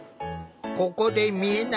ここで見えない